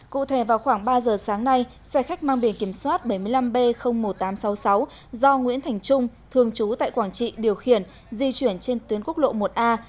cụ thể vào khoảng ba giờ sáng nay xe khách mang bề kiểm soát bảy mươi năm b một nghìn tám trăm sáu mươi sáu do nguyễn thành trung thường trú tại quảng trị điều khiển di chuyển trên tuyến quốc lộ một a